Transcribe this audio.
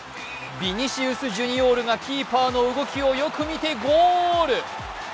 ヴィニシウス・ジュニオールがキーパーの動きをよく見てゴール。